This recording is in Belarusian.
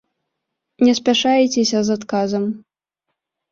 Не спяшаецеся з адказам.